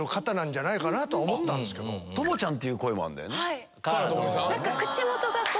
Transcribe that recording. ともちゃんって声もあるんだよね。